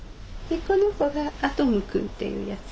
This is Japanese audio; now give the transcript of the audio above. この子がアトムくんっていうやつ。